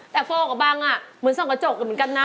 แต่โฟลกับบังเหมือนส่องกระจกเหมือนกันนะ